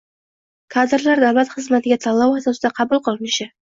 kadrlar davlat xizmatiga tanlov asosida qabul qilinishi